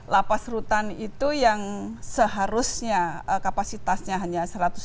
lapas rutan itu yang seharusnya kapasitasnya hanya satu ratus lima puluh